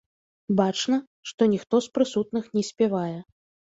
Бачна, што ніхто з прысутных не спявае.